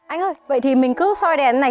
anh ơi vậy thì mình cứ xoay đèn này